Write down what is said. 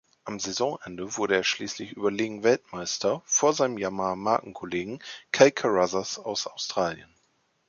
Am Saisonende wurde er schließlich überlegen Weltmeister vor seinem Yamaha-Markenkollegen Kel Carruthers aus Australien.